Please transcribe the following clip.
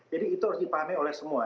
jadi itu harus dipahami oleh semua